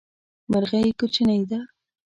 مرغی کوچنی ده